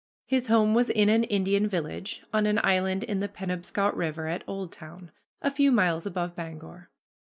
His home was in an Indian village on an island in the Penobscot River at Oldtown, a few miles above Bangor.